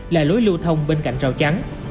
là lối lưu thông bên cạnh rào trắng